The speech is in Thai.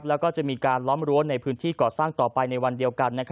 แล้วก็จะมีการล้อมรั้วในพื้นที่ก่อสร้างต่อไปในวันเดียวกัน